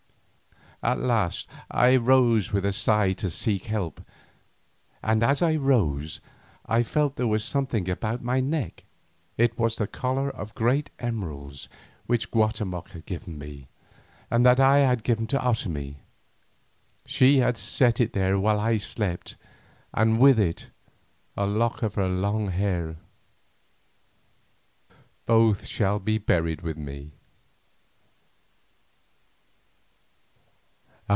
At last I rose with a sigh to seek help, and as I rose I felt that there was something set about my neck. It was the collar of great emeralds which Guatemoc had given to me, and that I had given to Otomie. She had set it there while I slept, and with it a lock of her long hair. Both shall be buried with me.